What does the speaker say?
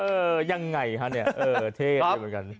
เออยังไงฮะเนี่ยเท่อะไรเหมือนกัน